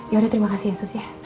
yaudah terima kasih ya sus ya